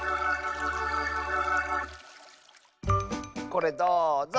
これどうぞ！